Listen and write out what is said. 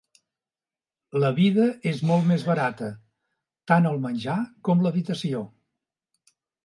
La vida és molt més barata, tant el menjar com l'habitació.